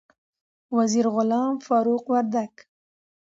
وزیر غلام فاروق وردک